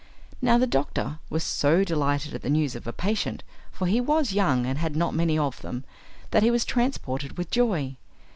Now the doctor was so delighted at the news of a patient (for he was young, and had not many of them), that he was transported with joy.